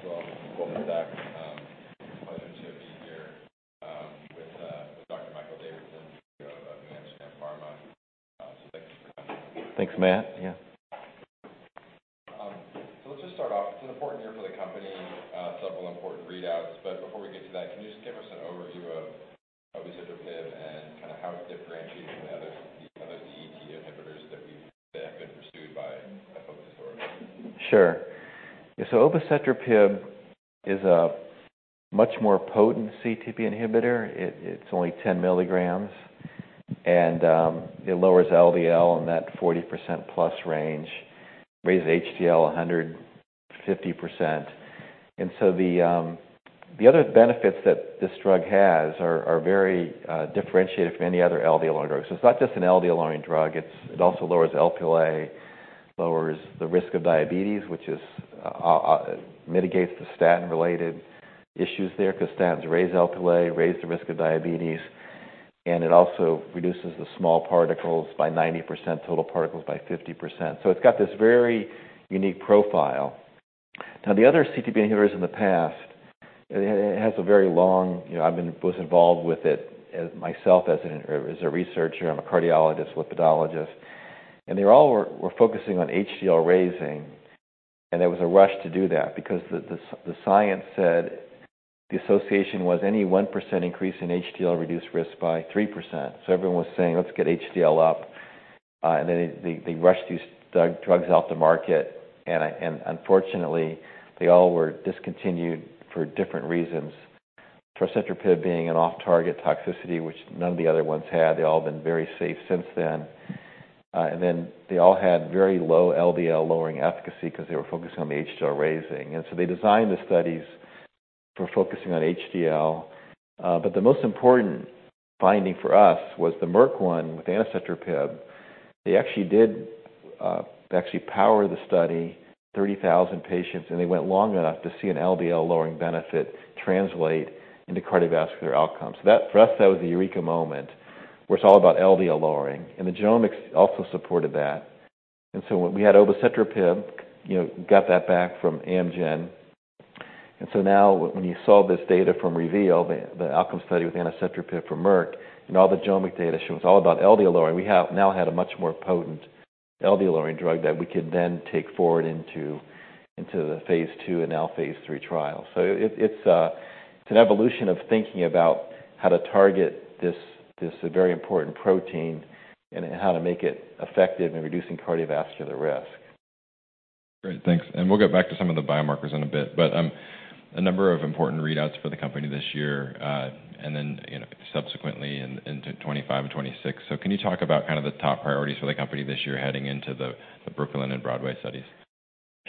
My name is Matt Hartwell. Welcome back. It's a pleasure to be here with Dr. Michael Davidson of NewAmsterdam Pharma. So thank you for coming. Thanks, Matt. Yeah. So let's just start off. It's an important year for the company, several important readouts. But before we get to that, can you just give us an overview of obicetrapib and kind of how it differentiates from the other CETP inhibitors that have been pursued by other? Sure. So obicetrapib is a much more potent CETP inhibitor. It's only 10 mg, and it lowers LDL in that 40%+ range, raises HDL 150%. And so the other benefits that this drug has are very differentiated from any other LDL-lowering drugs. So it's not just an LDL-lowering drug. It also lowers Lp(a), lowers the risk of diabetes, which mitigates the statin-related issues there, 'cause statins raise Lp(a), raise the risk of diabetes, and it also reduces the small particles by 90%, total particles by 50%. So it's got this very unique profile. Now, the other CETP inhibitors in the past, it has a very long... You know, I was involved with it as myself, as a researcher. I'm a cardiologist, lipidologist. They all were focusing on HDL raising, and there was a rush to do that because the science said the association was a 1% increase in HDL reduced risk by 3%. So everyone was saying: Let's get HDL up. And then they rushed these drugs out the market, and unfortunately, they all were discontinued for different reasons. For torcetrapib being an off-target toxicity, which none of the other ones had. They've all been very safe since then. And then they all had very low LDL-lowering efficacy 'cause they were focusing on the HDL raising. And so they designed the studies for focusing on HDL. But the most important finding for us was the Merck one with anacetrapib. They actually did power the study, 30,000 patients, and they went long enough to see an LDL-lowering benefit translate into cardiovascular outcomes. So that, for us, that was a eureka moment, where it's all about LDL lowering, and the genomics also supported that. And so when we had obicetrapib, you know, got that back from Amgen. And so now when you saw this data from REVEAL, the outcome study with anacetrapib from Merck, and all the genomic data shows all about LDL lowering. We have now had a much more potent LDL-lowering drug that we could then take forward into the Phase II and now Phase III trials. So it's an evolution of thinking about how to target this very important protein and how to make it effective in reducing cardiovascular risk. Great, thanks. And we'll get back to some of the biomarkers in a bit, but, a number of important readouts for the company this year, and then, you know, subsequently into 2025 and 2026. So can you talk about kind of the top priorities for the company this year, heading into the Brooklyn and Broadway studies?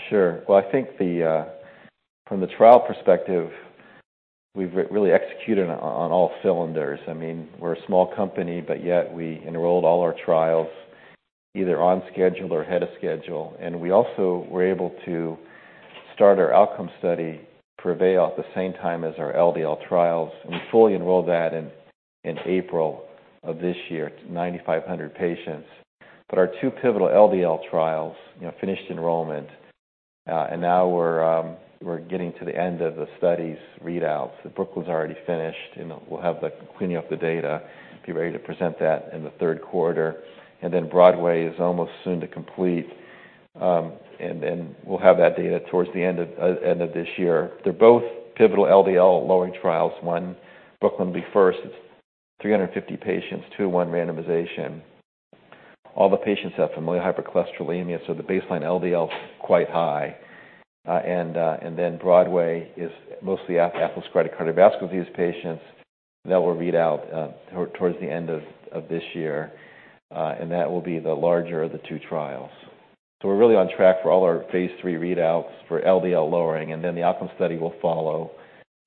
Sure. Well, I think from the trial perspective, we've really executed on all cylinders. I mean, we're a small company, but yet we enrolled all our trials either on schedule or ahead of schedule. And we also were able to start our outcome study, PREVAIL, at the same time as our LDL trials, and we fully enrolled that in April of this year, 9,500 patients. But our two pivotal LDL trials, you know, finished enrollment, and now we're getting to the end of the study's readouts. The Brooklyn's already finished, and we'll have the cleaning up the data, be ready to present that in the third quarter. And then Broadway is almost soon to complete, and then we'll have that data towards the end of this year. They're both pivotal LDL lowering trials. One, Brooklyn, will be first. It's 350 patients, 2:1 randomization. All the patients have familial hypercholesterolemia, so the baseline LDL is quite high. And then Broadway is mostly atherosclerotic cardiovascular disease patients that will read out towards the end of this year, and that will be the larger of the two trials. So we're really on track for all our Phase III readouts for LDL lowering, and then the outcome study will follow.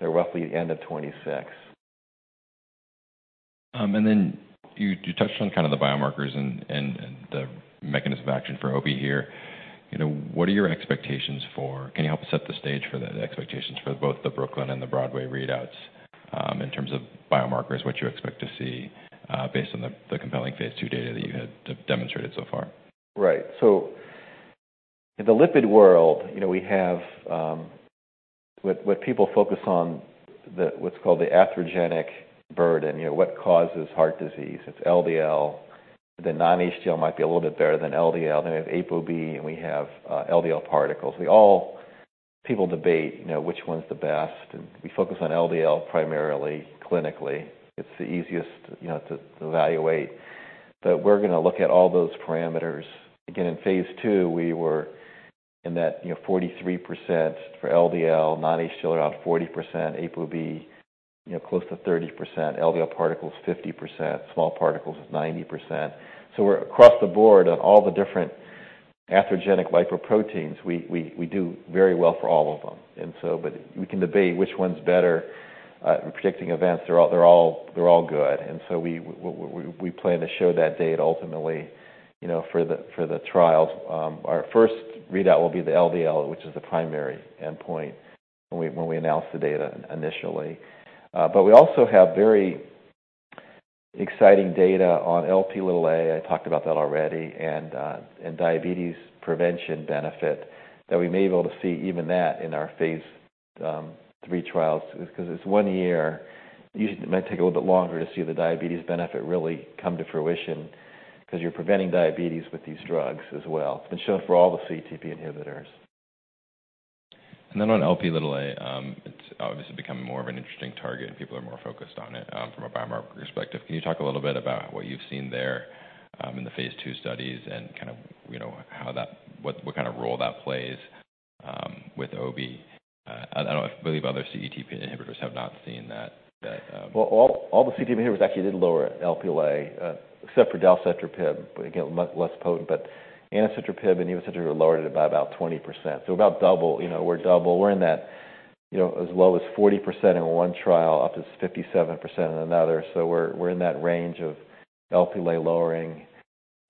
They're roughly the end of 2026. And then you touched on kind of the biomarkers and the mechanism of action for Obi here. You know, what are your expectations for... Can you help set the stage for the expectations for both the Brooklyn and the Broadway readouts, in terms of biomarkers? What you expect to see, based on the compelling Phase II data that you had demonstrated so far? Right. So in the lipid world, you know, we have what people focus on, the what's called the atherogenic burden, you know, what causes heart disease? It's LDL. The non-HDL might be a little bit better than LDL. Then we have ApoB, and we have LDL particles. People debate, you know, which one's the best, and we focus on LDL primarily clinically. It's the easiest, you know, to evaluate. But we're gonna look at all those parameters. Again, in Phase II, we were in that, you know, 43% for LDL, non-HDL, about 40%, ApoB, you know, close to 30%, LDL particles, 50%. Small particles is 90%. So we're across the board on all the different atherogenic lipoproteins. We do very well for all of them. We can debate which one's better in predicting events. They're all good. We plan to show that data ultimately, you know, for the trials. Our first readout will be the LDL, which is the primary endpoint when we announce the data initially. But we also have very exciting data on Lp(a). I talked about that already, and diabetes prevention benefit that we may be able to see even that in our phase III trials, because it's one year. Usually, it might take a little bit longer to see the diabetes benefit really come to fruition, 'cause you're preventing diabetes with these drugs as well. It's been shown for all the CETP inhibitors. And then on Lp, it's obviously becoming more of an interesting target, and people are more focused on it, from a biomarker perspective. Can you talk a little bit about what you've seen there, in the phase II studies and kind of, you know, how that-- what, what kind of role that plays, with OB? I, I don't-- I believe other CETP inhibitors have not seen that. Well, all the CETP inhibitors actually did lower Lp(a), except for dalcetrapib, but again, much less potent. But anacetrapib and evacetrapib lowered it by about 20%. So about double, you know, we're double. We're in that, you know, as low as 40% in one trial, up to 57% in another. So we're in that range of Lp(a) lowering.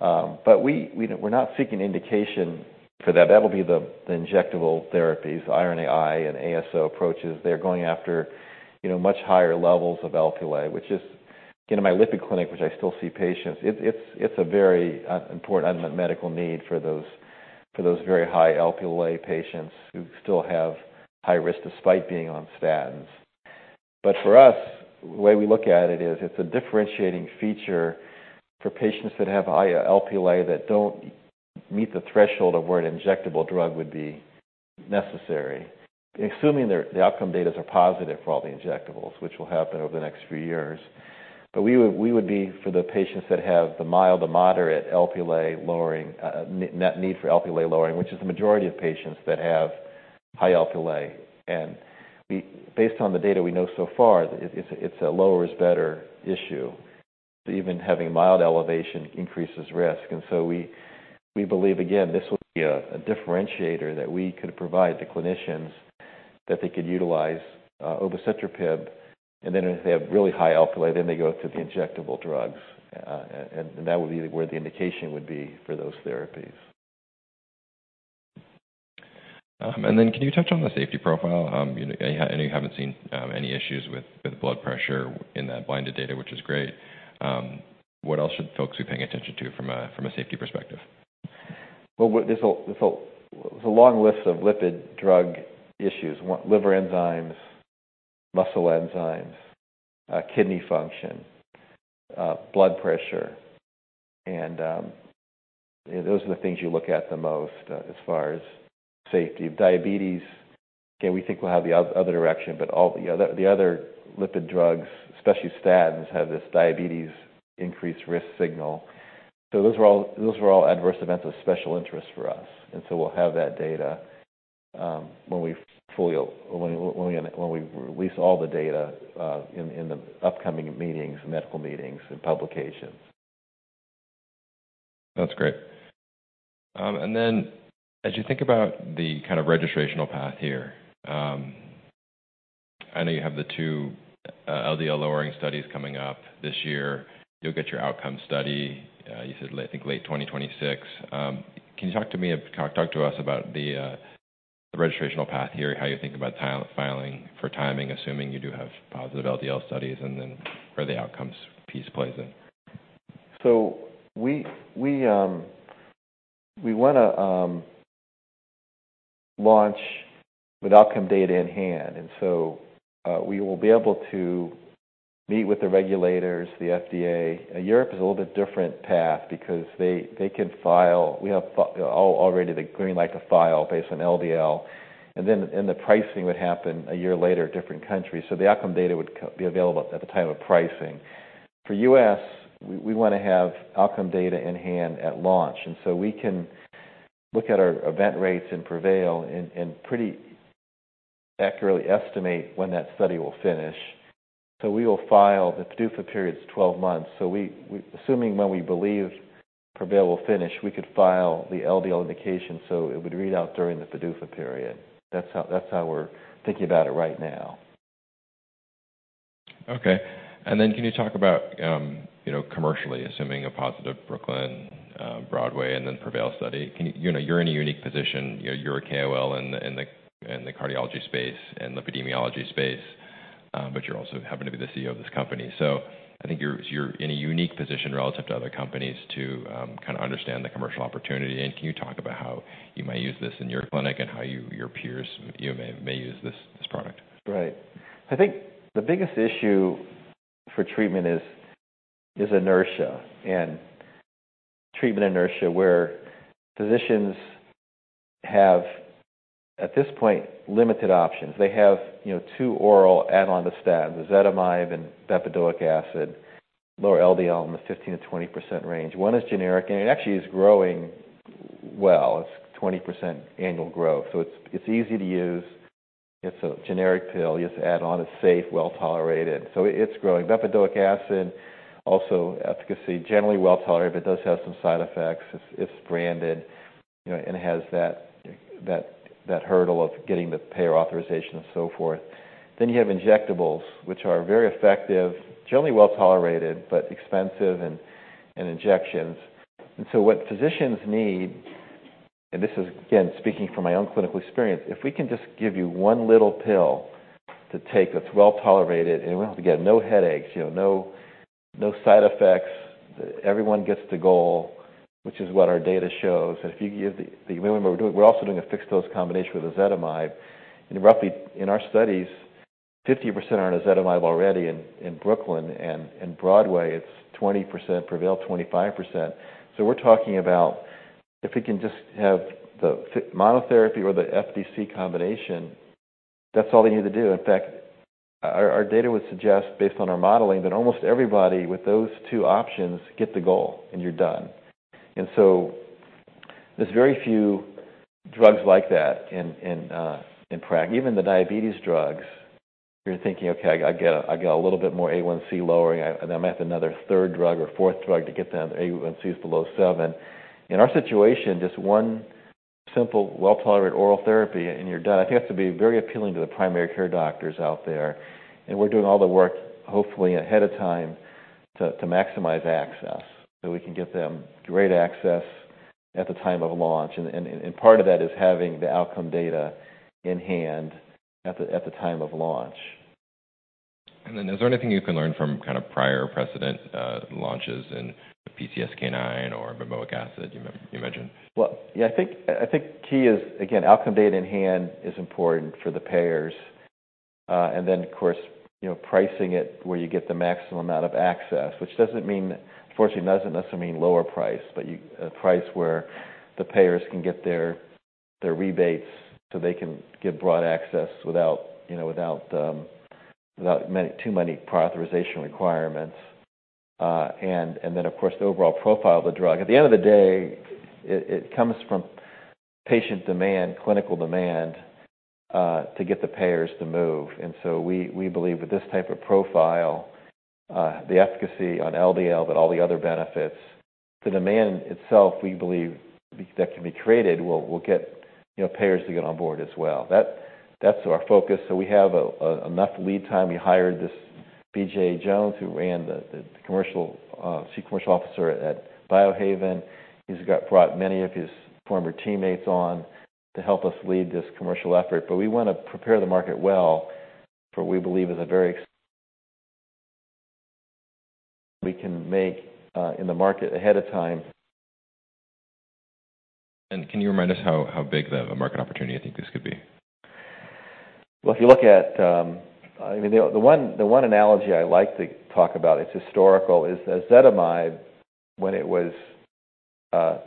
But we-- we're not seeking indication for that. That will be the injectable therapies, RNAi and ASO approaches. They're going after, you know, much higher levels of Lp(a), which is... In my lipid clinic, which I still see patients, it's a very important unmet medical need for those very high Lp(a) patients who still have high risk despite being on statins. But for us, the way we look at it is, it's a differentiating feature for patients that have high Lp that don't meet the threshold of where an injectable drug would be necessary, assuming their, the outcome data are positive for all the injectables, which will happen over the next few years. But we would, we would be for the patients that have the mild to moderate Lp lowering, net need for Lp lowering, which is the majority of patients that have high Lp. And we based on the data we know so far, it's a, it's a lower-is-better issue. Even having mild elevation increases risk, and so we, we believe, again, this will be a, a differentiator that we could provide to clinicians, that they could utilize, obicetrapib, and then if they have really high Lp, then they go to the injectable drugs. And that would be where the indication would be for those therapies. Then can you touch on the safety profile? You know, I know you haven't seen any issues with blood pressure in that blinded data, which is great. What else should folks be paying attention to from a safety perspective? Well, there's a long list of lipid drug issues. One, liver enzymes, muscle enzymes, kidney function, blood pressure, and those are the things you look at the most, as far as safety. Diabetes, again, we think we'll have the other direction, but all the other lipid drugs, especially statins, have this diabetes increased risk signal. So those are all adverse events of special interest for us, and so we'll have that data when we fully release all the data in the upcoming medical meetings and publications. That's great. And then as you think about the kind of registrational path here, I know you have the two LDL-lowering studies coming up this year. You'll get your outcome study, you said, I think, late 2026. Can you talk to me, talk to us about the registrational path here, how you think about filing for timing, assuming you do have positive LDL studies, and then where the outcomes piece plays in? So we wanna launch with outcome data in hand, and so we will be able to meet with the regulators, the FDA. Europe is a little bit different path because they can file. We have already the green light to file based on LDL, and then the pricing would happen a year later, different countries. So the outcome data would be available at the time of pricing. For U.S., we wanna have outcome data in hand at launch, and so we can look at our event rates in PREVAIL and pretty accurately estimate when that study will finish. So we will file. The PDUFA period is 12 months, so assuming when we believe PREVAIL will finish, we could file the LDL indication, so it would read out during the PDUFA period. That's how, that's how we're thinking about it right now. Okay. And then can you talk about, you know, commercially, assuming a positive Brooklyn, Broadway, and then PREVAIL study? Can you? You know, you're in a unique position. You're, you're a KOL in the, in the, in the cardiology space and lipidology space, but you also happen to be the CEO of this company. So I think you're, you're in a unique position relative to other companies to, kind of understand the commercial opportunity. And can you talk about how you might use this in your clinic, and how you, your peers, you may, may use this, this product? Right. I think the biggest issue for treatment is, is inertia, and treatment inertia, where physicians have, at this point, limited options. They have, you know, two oral add-on to statins, ezetimibe and bempedoic acid, lower LDL in the 15%-20% range. One is generic, and it actually is growing well. It's 20% annual growth, so it's, it's easy to use. It's a generic pill, you just add on. It's safe, well-tolerated, so it's growing. Bempedoic acid, also efficacy, generally well-tolerated, but does have some side effects. It's, it's branded, you know, and has that, that, that hurdle of getting the payer authorization and so forth. Then you have injectables, which are very effective, generally well-tolerated, but expensive and, and injections. And so what physicians need-... This is, again, speaking from my own clinical experience, if we can just give you one little pill to take that's well-tolerated, and we have, again, no headaches, you know, no, no side effects. Everyone gets the goal, which is what our data shows. If you remember, we're also doing a fixed-dose combination with ezetimibe. And roughly, in our studies, 50% are on ezetimibe already in Brooklyn, and in Broadway, it's 20%, PREVAIL 25%. So we're talking about if we can just have the fixed monotherapy or the FDC combination, that's all they need to do. In fact, our data would suggest, based on our modeling, that almost everybody with those two options get the goal, and you're done. So there's very few drugs like that in practice. Even the diabetes drugs, you're thinking, "Okay, I got, I got a little bit more A1C lowering. I'm at another third drug or fourth drug to get that A1C below seven." In our situation, just one simple, well-tolerated oral therapy, and you're done. I think that's to be very appealing to the primary care doctors out there, and we're doing all the work, hopefully ahead of time, to, to maximize access, so we can get them great access at the time of launch. And, and, and part of that is having the outcome data in hand at the, at the time of launch. Is there anything you can learn from kind of prior precedent, launches in PCSK9 or bempedoic acid, you mentioned? Well, yeah, I think key is, again, outcome data in hand is important for the payers. And then, of course, you know, pricing it where you get the maximum amount of access, which doesn't mean... fortunately, doesn't necessarily mean lower price, but a price where the payers can get their their rebates, so they can get broad access without, you know, without many, too many prior authorization requirements. And then, of course, the overall profile of the drug. At the end of the day, it comes from patient demand, clinical demand to get the payers to move. And so we believe with this type of profile, the efficacy on LDL, but all the other benefits, the demand itself, we believe, that can be created, will get, you know, payers to get on board as well. That, that's our focus, so we have enough lead time. We hired this BJ Jones, who ran the commercial Chief Commercial Officer at Biohaven. He's brought many of his former teammates on to help us lead this commercial effort. But we want to prepare the market well, for we believe is a very... We can make in the market ahead of time. Can you remind us how big the market opportunity you think this could be? Well, if you look at, I mean, the one, the one analogy I like to talk about, it's historical, is ezetimibe when it was 15%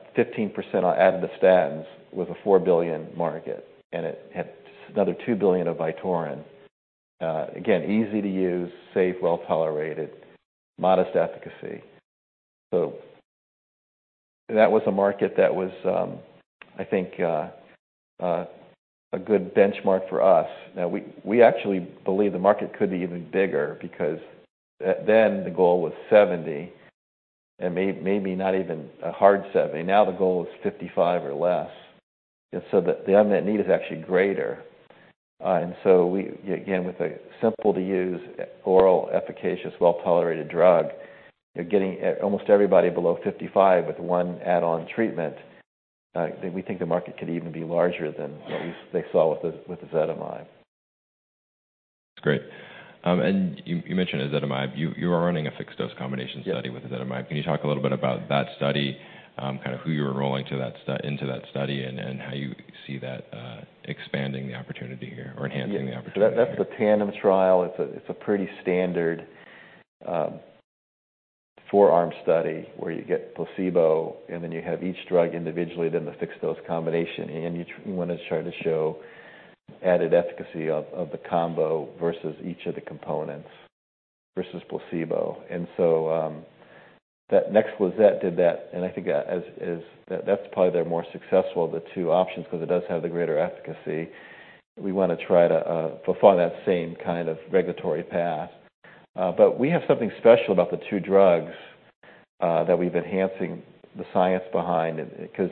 on add the statins, with a $4 billion market, and it had another $2 billion of Vytorin. Again, easy to use, safe, well-tolerated, modest efficacy. So that was a market that was, I think, a good benchmark for us. Now, we actually believe the market could be even bigger because back then, the goal was 70, and maybe not even a hard 70. Now, the goal is 55 or less. And so the unmet need is actually greater. And so we, again, with a simple-to-use, oral, efficacious, well-tolerated drug, you're getting almost everybody below 55 with one add-on treatment. We think the market could even be larger than what they saw with the ezetimibe. Great. And you mentioned ezetimibe. You are running a fixed-dose combination study with ezetimibe. Can you talk a little bit about that study, kind of who you're enrolling into that study, and how you see that expanding the opportunity here or enhancing the opportunity? Yeah. That's the TANDEM trial. It's a pretty standard formulation study where you get placebo, and then you have each drug individually, then the fixed-dose combination. And you want to try to show added efficacy of the combo versus each of the components, versus placebo. And so, Nexletol and Nexlizet did that, and I think that's probably the more successful of the two options, because it does have the greater efficacy. We want to try to follow that same kind of regulatory path. But we have something special about the two drugs that's enhancing the science behind it. Because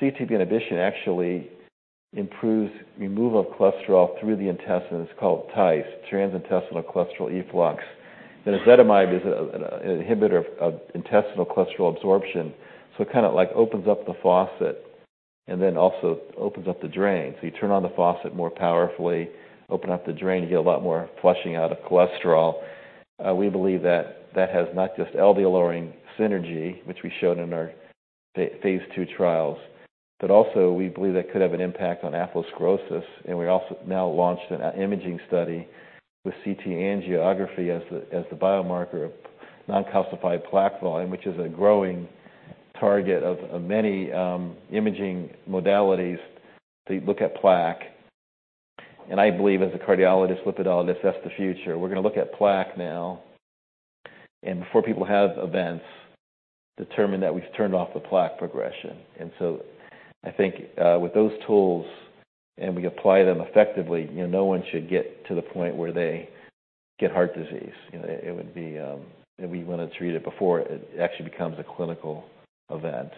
CETP inhibition actually improves removal of cholesterol through the intestine. It's called TICE, transintestinal cholesterol efflux. The ezetimibe is an inhibitor of intestinal cholesterol absorption, so it kind of like opens up the faucet and then also opens up the drain. So you turn on the faucet more powerfully, open up the drain, you get a lot more flushing out of cholesterol. We believe that that has not just LDL-lowering synergy, which we showed in our phase two trials, but also we believe that could have an impact on atherosclerosis, and we also now launched an imaging study with CT angiography as the biomarker of non-calcified plaque volume, which is a growing target of many imaging modalities to look at plaque. I believe as a cardiologist, lipidologist, that's the future. We're gonna look at plaque now, and before people have events, determine that we've turned off the plaque progression. I think, with those tools, and we apply them effectively, you know, no one should get to the point where they get heart disease. You know, it would be. We want to treat it before it actually becomes a clinical event.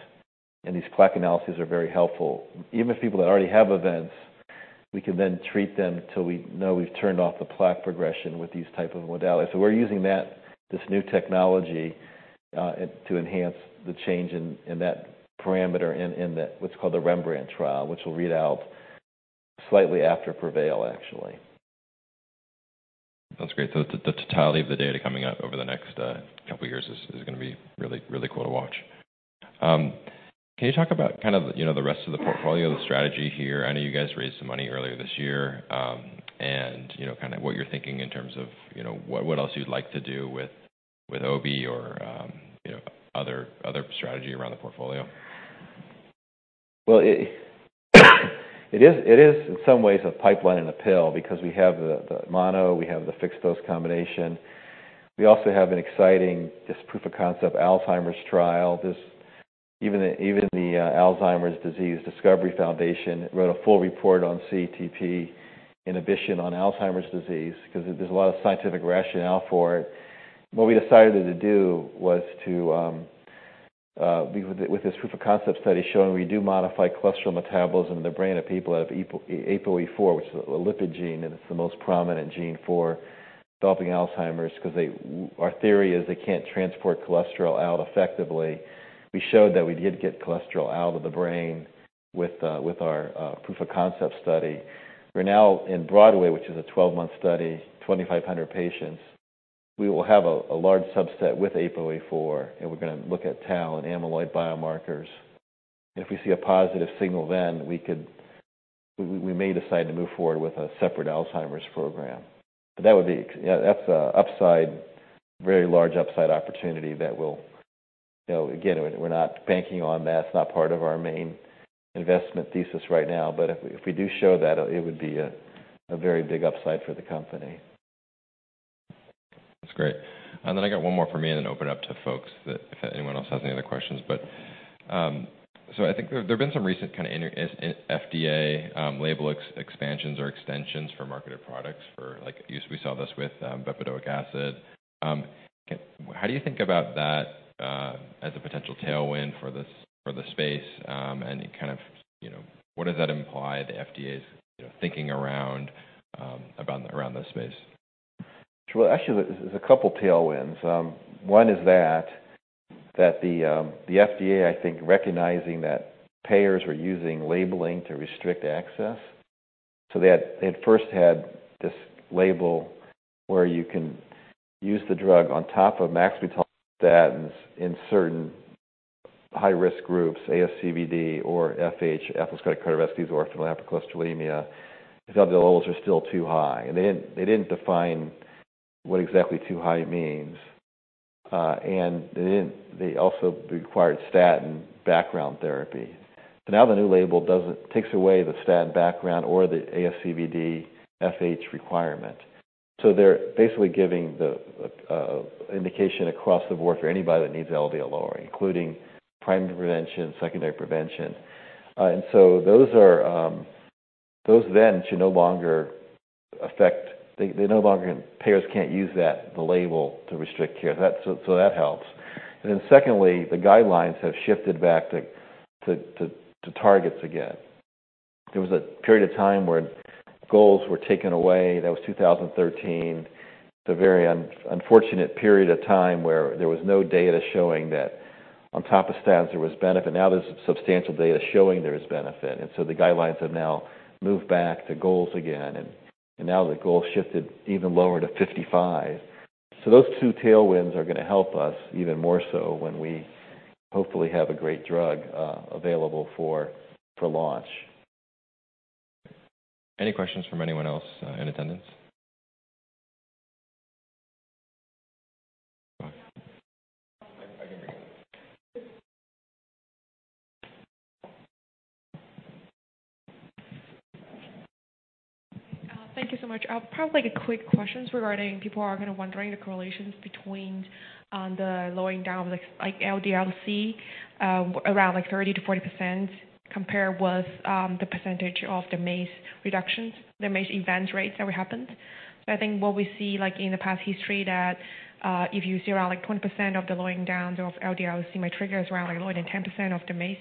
And these plaque analyses are very helpful. Even if people that already have events—we can then treat them till we know we've turned off the plaque progression with these type of modalities. So we're using that, this new technology, to enhance the change in that parameter, in the, what's called the REMBRANDT trial, which will read out slightly after PREVAIL, actually. That's great. So the totality of the data coming out over the next couple years is gonna be really, really cool to watch. Can you talk about kind of, you know, the rest of the portfolio, the strategy here? I know you guys raised some money earlier this year, and, you know, kind of what you're thinking in terms of, you know, what, what else you'd like to do with, with Obi or, you know, other, other strategy around the portfolio? Well, it is, in some ways, a pipeline in a pill because we have the mono, we have the fixed-dose combination. We also have an exciting, just proof of concept Alzheimer's trial. This. Even the Alzheimer's Disease Discovery Foundation wrote a full report on CETP inhibition on Alzheimer's disease because there's a lot of scientific rationale for it. What we decided to do was to, with this proof of concept study, showing we do modify cholesterol metabolism in the brain of people that have APOE4, which is a lipid gene, and it's the most prominent gene for developing Alzheimer's. Because they. Our theory is they can't transport cholesterol out effectively. We showed that we did get cholesterol out of the brain with our proof of concept study. We're now in Broadway, which is a 12-month study, 2,500 patients. We will have a large subset with APOE4, and we're gonna look at tau and amyloid biomarkers. If we see a positive signal, then we could, we may decide to move forward with a separate Alzheimer's program. But that would be ex- You know, that's a upside, very large upside opportunity that we'll... You know, again, we're not banking on that. It's not part of our main investment thesis right now, but if we do show that, it would be a very big upside for the company. That's great. And then I got one more for me, and then open up to folks that, if anyone else has any other questions. But, so I think there, there's been some recent kind of in FDA label expansions or extensions for marketed products for, like, use. We saw this with bempedoic acid. How do you think about that as a potential tailwind for this, for the space? And kind of, you know, what does that imply the FDA's, you know, thinking around about this space? Well, actually, there's a couple of tailwinds. One is that the FDA, I think, recognizing that payers were using labeling to restrict access. So they had. They first had this label where you can use the drug on top of maximum statins in certain high-risk groups, ASCVD or FH, atherosclerotic cardiovascular disease or familial hypercholesterolemia, because the levels are still too high. And they didn't. They didn't define what exactly too high means, and they also required statin background therapy. So now the new label doesn't. It takes away the statin background or the ASCVD FH requirement. So they're basically giving the indication across the board for anybody that needs LDL lowering, including primary prevention, secondary prevention. And so those are, those then should no longer affect. They, they no longer. Payers can't use that, the label, to restrict care. That's so that helps. And then secondly, the guidelines have shifted back to targets again. There was a period of time where goals were taken away. That was 2013. It's a very unfortunate period of time where there was no data showing that on top of statins, there was benefit. Now there's substantial data showing there is benefit, and so the guidelines have now moved back to goals again, and now the goal shifted even lower to 55. So those two tailwinds are gonna help us even more so when we hopefully have a great drug available for launch. Any questions from anyone else in attendance? Thank you so much. I'll probably a quick questions regarding people are kind of wondering the correlations between, the lowering down, like, like LDL-C, around, like, 30%-40%, compared with, the percentage of the MACE reductions, the MACE event rates that happened. So I think what we see, like, in the past history, that, if you zero, like, 20% of the lowering downs of LDL-C, my trigger is around, like, lower than 10% of the MACE.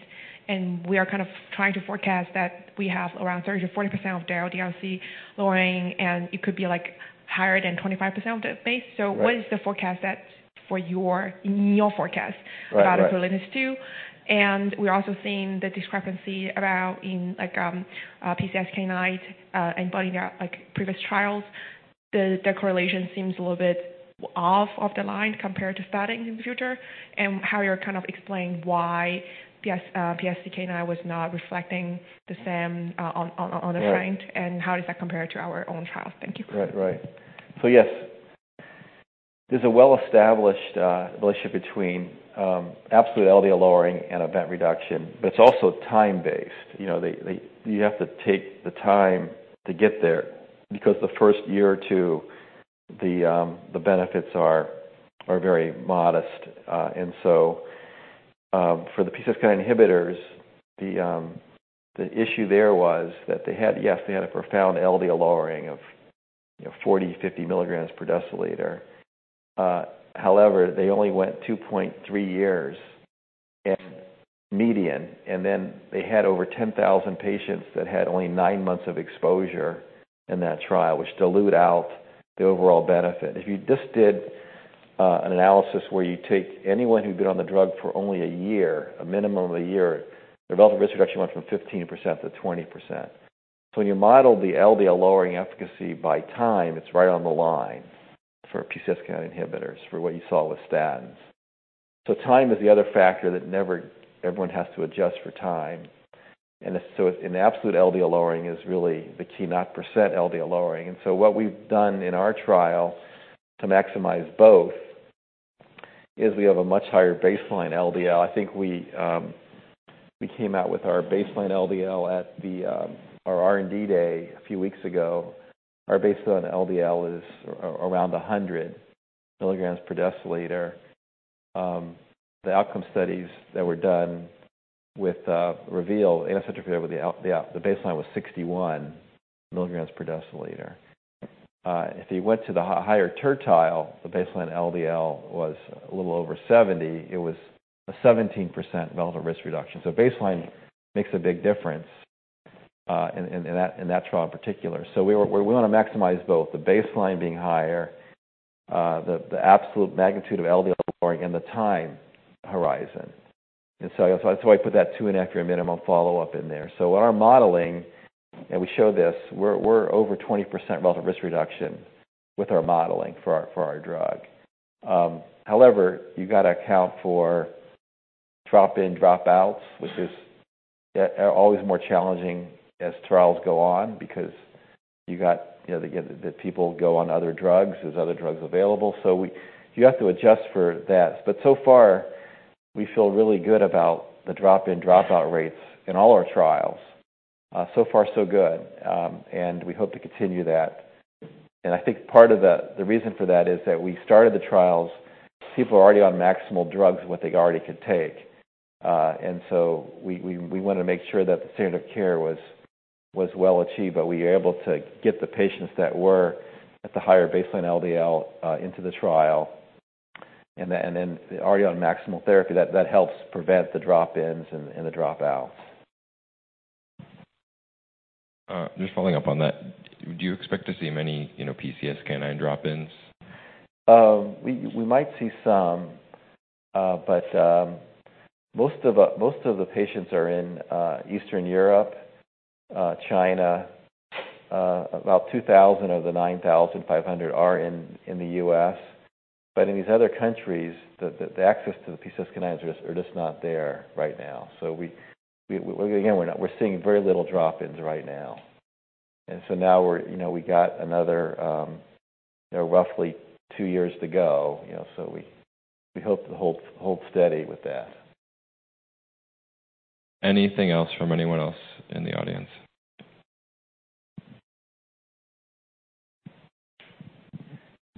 And we are kind of trying to forecast that we have around 30%-40% of the LDL-C lowering, and it could be, like, higher than 25% of the MACE. So, what is the forecast that for your, in your forecast about ApoB too? And we're also seeing the discrepancy around in, like, PCSK9, and butting up, like, previous trials. The correlation seems a little bit off the line compared to statins in the future, and how you're kind of explaining why PCSK9 was not reflecting the same, on the front, and how does that compare to our own trials? Thank you. Right. Right. So yes, there's a well-established relationship between absolute LDL lowering and event reduction, but it's also time-based. You know, you have to take the time to get there because the first year or two, the benefits are very modest. And so, for the PCSK9 inhibitors, the issue there was that they had, yes, they had a profound LDL lowering of, you know, 40, 50 mg per deciliter. However, they only went 2.3 years and median, and then they had over 10,000 patients that had only nine months of exposure in that trial, which dilute out the overall benefit. If you just did an analysis where you take anyone who'd been on the drug for only a year, a minimum of a year, the relative risk reduction went from 15% to 20%. So when you model the LDL lowering efficacy by time, it's right on the line for PCSK9 inhibitors, for what you saw with statins. So time is the other factor that never-- everyone has to adjust for time. And so an absolute LDL lowering is really the key, not percent LDL lowering. And so what we've done in our trial to maximize both, is we have a much higher baseline LDL. I think we, we came out with our baseline LDL at the, our R&D day a few weeks ago. Our baseline LDL is around 100 mg per deciliter. The outcome studies that were done with REVEAL and center field with the LDL, the baseline was 61 mg per deciliter. If you went to the higher tertile, the baseline LDL was a little over 70. It was a 17% relative risk reduction. So baseline makes a big difference in that trial in particular. So we want to maximize both the baseline being higher, the absolute magnitude of LDL lowering and the time horizon. And so I put that two and after a minimum follow-up in there. So in our modeling, and we show this, we're over 20% relative risk reduction with our modeling for our drug. However, you got to account for drop-in, drop-outs, which are always more challenging as trials go on because you got, you know, the people go on other drugs. There's other drugs available, so we, you have to adjust for that. But so far, we feel really good about the drop-in, drop-out rates in all our trials. So far, so good, and we hope to continue that. And I think part of the reason for that is that we started the trials, people are already on maximal drugs, what they already could take. And so we wanted to make sure that the standard of care was well achieved, but we were able to get the patients that were at the higher baseline LDL into the trial, and then already on maximal therapy, that helps prevent the drop-ins and the drop-outs. Just following up on that, do you expect to see many, you know, PCSK9 drop-ins? We might see some, but most of the patients are in Eastern Europe, China. About 2,000 of the 9,500 are in the U.S. But in these other countries, the access to the PCSK9 are just not there right now. So again, we're seeing very little drop-ins right now. And so now we're, you know, we got another, you know, roughly two years to go, you know, so we hope to hold steady with that. Anything else from anyone else in the audience?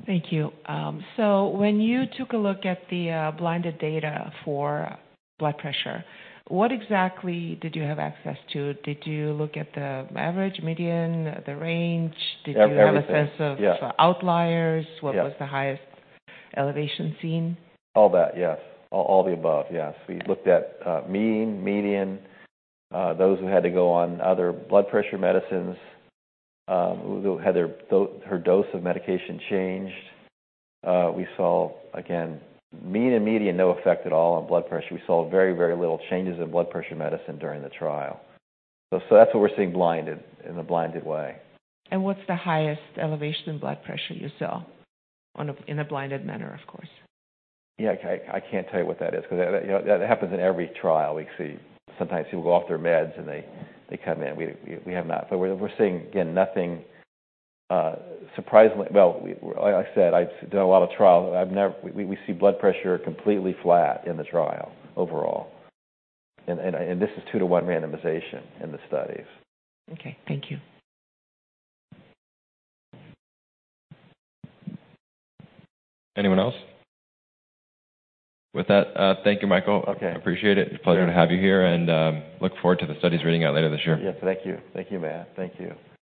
Thank you. So when you took a look at the blinded data for blood pressure, what exactly did you have access to? Did you look at the average, median, the range? Everything. Did you have a sense of outliers? What was the highest elevation seen? All that, yes. All, all the above, yes. We looked at mean, median, those who had to go on other blood pressure medicines, who had their dose, her dose of medication changed. We saw, again, mean and median, no effect at all on blood pressure. We saw very, very little changes in blood pressure medicine during the trial. So, so that's what we're seeing blinded, in a blinded way. And what's the highest elevation in blood pressure you saw in a blinded manner, of course? Yeah, I can't tell you what that is, because, you know, that happens in every trial. We see sometimes people go off their meds, and they come in. We have not— But we're seeing, again, nothing surprisingly... Well, like I said, I've done a lot of trials. I've never— We see blood pressure completely flat in the trial overall. And this is two-to-one randomization in the studies. Okay, thank you. Anyone else? With that, thank you, Michael. Okay. Appreciate it. Sure. Pleasure to have you here, and look forward to the studies reading out later this year. Yeah, thank you. Thank you, Matt. Thank you.